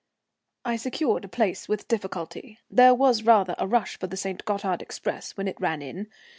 I secured a place with difficulty; there was rather a rush for the St. Gothard express when it ran in.